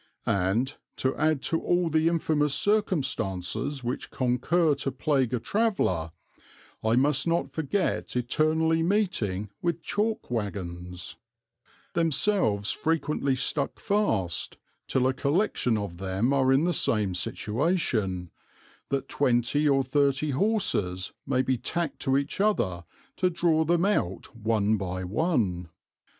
And to add to all the infamous circumstances which concur to plague a traveller, I must not forget eternally meeting with chalk waggons; themselves frequently stuck fast, till a collection of them are in the same situation, that twenty or thirty horses may be tacked to each, to draw them out one by one.